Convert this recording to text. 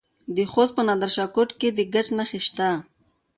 د خوست په نادر شاه کوټ کې د ګچ نښې شته.